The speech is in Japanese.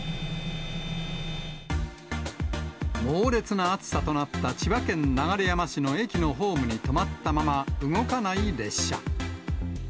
猛烈な暑さとなった千葉県流山市の駅のホームに止まったまま動かない列車。